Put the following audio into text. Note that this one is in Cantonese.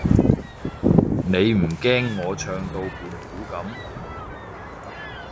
你唔驚我唱到胖虎噉？